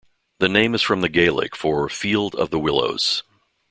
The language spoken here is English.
The name is from the Gaelic for "field of the willows".